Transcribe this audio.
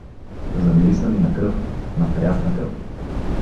Замириса ми на кръв, на прясна кръв.